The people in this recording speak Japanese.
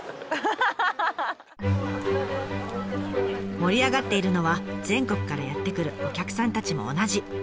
盛り上がっているのは全国からやって来るお客さんたちも同じ。